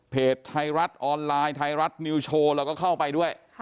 ไทยรัฐออนไลน์ไทยรัฐนิวโชว์เราก็เข้าไปด้วย